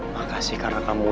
makasih karena kamu mudah